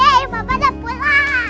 yeay bapak udah pulang